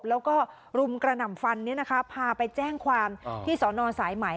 แล้วก็รุมกระหน่ำฟันพาไปแจ้งความที่สอนอสายไหม